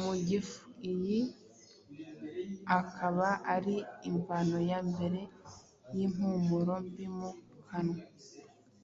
mu gifu; iyi akaba ari imvano ya mbere y’impumuro mbi mu kanwa.